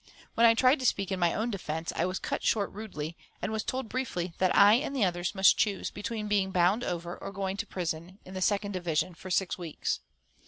When I tried to speak in my own defence, I was cut short rudely, and was told briefly that I and the others must choose between being bound over or going to prison, in the second division, for six weeks.